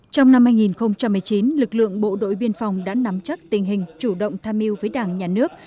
trong năm hai nghìn một mươi chín lực lượng bộ đội biên phòng đã nắm chắc tình hình chủ động tham yêu với đảng nhà nước